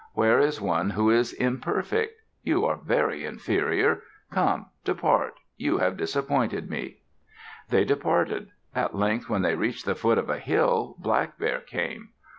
Where is one who is imperfect? You are very inferior. Come, depart. You have disappointed me." They departed. At length when they reached the foot of a hill, Black Bear came.